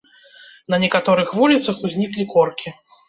На некаторых вуліцах узніклі коркі.